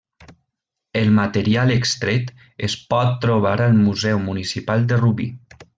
El material extret es pot trobar al Museu Municipal de Rubí.